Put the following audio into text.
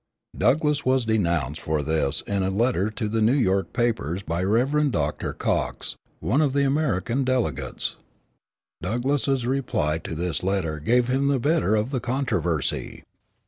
Douglass was denounced for this in a letter to the New York papers by Rev. Dr. Cox, one of the American delegates. Douglass's reply to this letter gave him the better of the controversy.